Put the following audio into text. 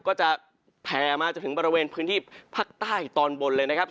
ก็จะแผ่มาจนถึงบริเวณพื้นที่ภาคใต้ตอนบนเลยนะครับ